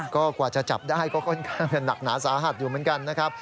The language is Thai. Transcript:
ก็กว่าจะจับได้ก็ค่อนข้างจะหนักหนาสาหัสอยู่เหมือนกันนะครับ